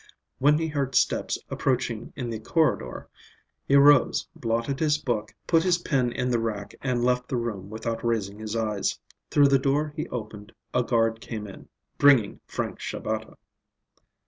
When he heard steps approaching in the corridor, he rose, blotted his book, put his pen in the rack, and left the room without raising his eyes. Through the door he opened a guard came in, bringing Frank Shabata.